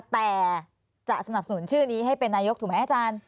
แต่จะสนับสนุนชื่อนี้ให้เป็นนายกถูกไหมอาจารย์